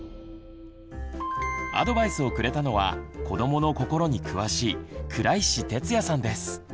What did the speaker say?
アドバイスをくれたのは子どもの心に詳しい倉石哲也さんです。